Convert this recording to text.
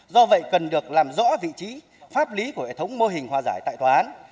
do vậy cần được làm rõ vị trí pháp lý của hệ thống mô hình hòa giải tại tòa án